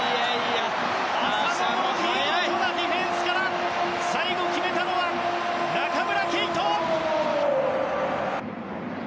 浅野の見事なディフェンスから最後、決めたのは中村敬斗！